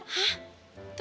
aku mau sihir